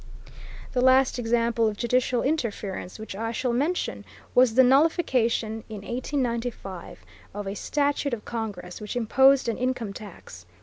The last example of judicial interference which I shall mention was the nullification, in 1895, of a statute of Congress which imposed an income tax.